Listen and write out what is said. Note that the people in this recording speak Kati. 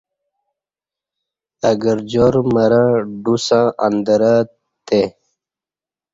اہ گرجار مرں ڈوسݩ ا ندرہ تے